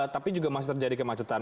tapi juga masih terjadi kemacetan